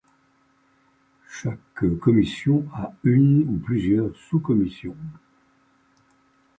Chaque commission a une ou plusieurs sous-commissions.